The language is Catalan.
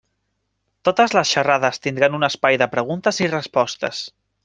Totes les xerrades tindran un espai de preguntes i respostes.